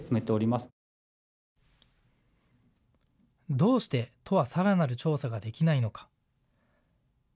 どうして都はさらなる調査ができないのか。